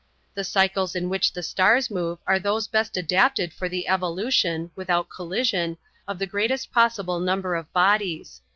The cycles in which the stars move are those best adapted for the evolution, without collision, of the greatest possible number of bodies.